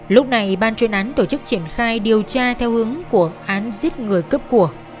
lúc này ban chuyên án tổ chức triển khai điều tra theo hướng của án giết người cướp của